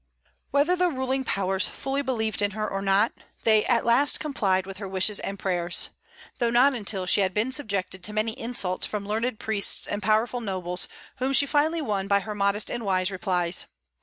Whether the ruling powers fully believed in her or not, they at last complied with her wishes and prayers, though not until she had been subjected to many insults from learned priests and powerful nobles, whom she finally won by her modest and wise replies.